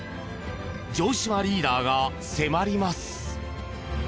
城島リーダーが迫ります。